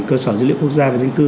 cơ sở dữ liệu quốc gia và dân cư